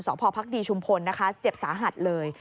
เสาพอพภักดีชมพลเจ็บสาหัสเลย